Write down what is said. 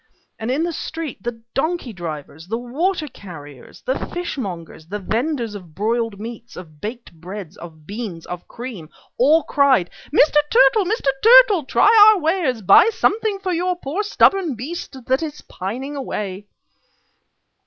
And in the street the donkey drivers, the water carriers, the fishmongers, the venders of broiled meats, of baked breads, of beans, of cream, all cried: "Mister Turtle, Mister Turtle! Try our wares. Buy something for your poor stubborn beast that is pining away!"